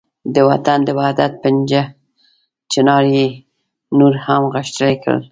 د وطن د وحدت پنجه چنار یې نور هم غښتلې کړ.